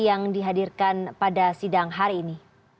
yang dihadirkan pada sidang hari ini